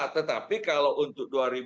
tetapi kalau untuk